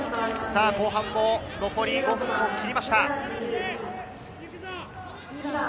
後半残り５分を切りました。